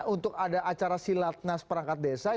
untuk ada acara silatnas perangkat desa